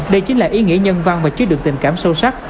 đây chính là ý nghĩa nhân văn và chứa được tình cảm sâu sắc